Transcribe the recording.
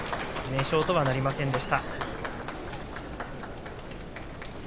連勝はなりませんでした。